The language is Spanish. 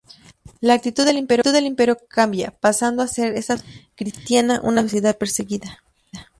La actitud del Imperio cambia, pasando a ser esta sociedad cristiana una sociedad perseguida.